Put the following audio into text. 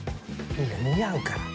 いいから似合うから。